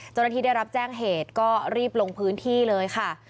เจ้าหน้าที่ได้รับแจ้งเหตุก็รีบลงพื้นที่เลยค่ะ